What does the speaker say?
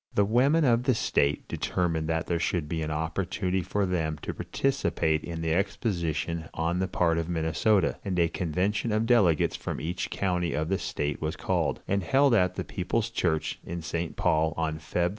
The women of the state determined that there should be an opportunity for them to participate in the exposition on the part of Minnesota, and a convention of delegates from each county of the state was called, and held at the People's Church, in St. Paul, on Feb.